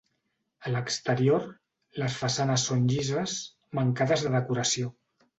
A l'exterior, les façanes són llises, mancades de decoració.